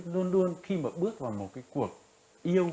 luôn luôn khi mà bước vào một cuộc yêu